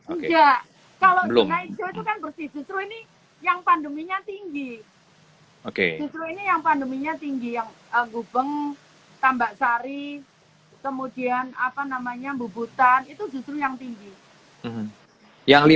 oke justru ini yang pandeminya tinggi yang gubeng tambak sari kemudian apa namanya bubutan itu justru yang tinggi